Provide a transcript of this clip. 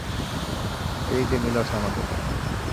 এদিক দিয়ে মিল আছে আমাদের।